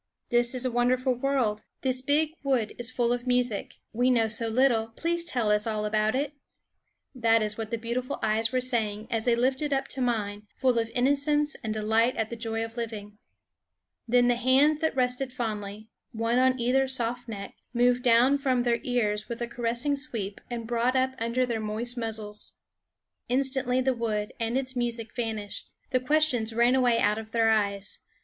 " This is a won derful world. This big wood is full of music. We know not. Tell us all about What ffie f&wns Wusf "Know, 32 What the Fauns fysf Know SCHOOL OF it," that is what the beautiful eyes were saying as they lifted up to mine, full of innocence and delight at the joy of living. Then the hands that rested fondly, one on either soft neck, moved down from their ears with a caressing sweep and brought up under their moist muzzles. Instantly the wood and its music vanished ; the questions ran away out of their eyes.